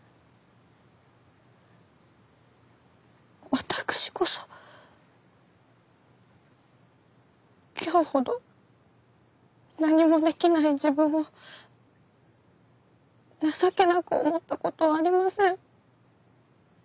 私こそ今日ほど何もできない自分を情けなく思ったことはありません。